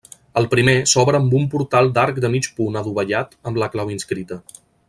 El primer s'obre amb un portal d'arc de mig punt adovellat amb la clau inscrita.